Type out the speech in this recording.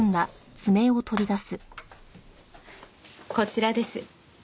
こちらです。